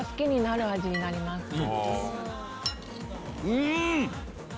うん！